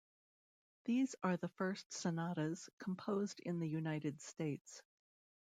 These are the first sonatas composed in the United States.